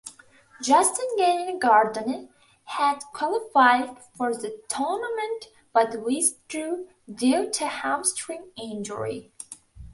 Justine Henin-Hardenne had qualified for the tournament but withdrew due to a hamstring injury.